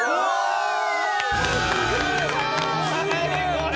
これ。